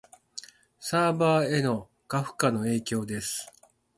サーバへの過負荷の影響です